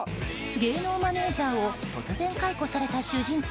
芸能マネジャーを突然解雇された主人公。